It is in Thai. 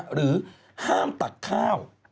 ห้ามตัดข้าว